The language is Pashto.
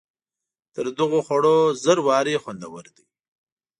تر دغو خوړو زر وارې خوندور دی.